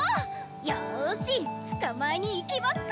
よし捕まえに行きますか！